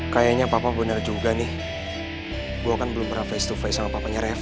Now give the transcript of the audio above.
kayaknya papa bener juga nih gue kan belum pernah face to face sama papanya revo